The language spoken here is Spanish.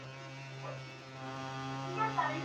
Estudió en el Liceo Comercial "Diego Portales".